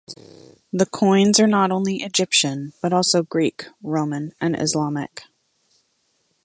The coins are not only Egyptian, but also Greek, Roman, and Islamic.